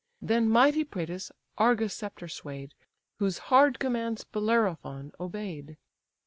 Then mighty Praetus Argos' sceptre sway'd, Whose hard commands Bellerophon obey'd.